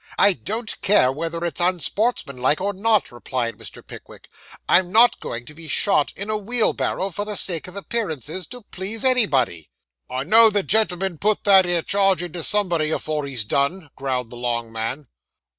'I don't care whether it's unsportsmanlike or not,' replied Mr. Pickwick; 'I am not going to be shot in a wheel barrow, for the sake of appearances, to please anybody.' 'I know the gentleman'll put that 'ere charge into somebody afore he's done,' growled the long man.